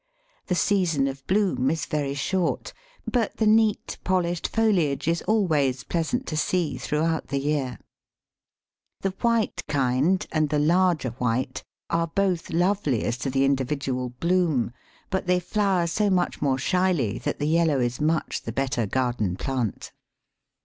The season of bloom is very short, but the neat, polished foliage is always pleasant to see throughout the year. The white kind and the larger white are both lovely as to the individual bloom, but they flower so much more shyly that the yellow is much the better garden plant.